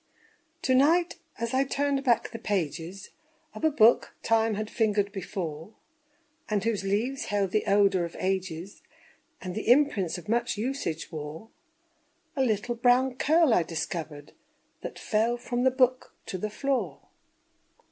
To night, as I turned back the pages Of a book Time had fingered before, And whose leaves held the odor of ages, And the imprints of much usage wore, A little brown curl I discovered, That fell from the book to the floor.